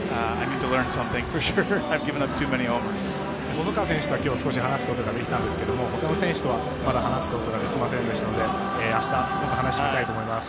細川選手とは今日少し話すことができたんですけど他の選手とは話すことができませんでしたので明日、もっと話してみたいと思います。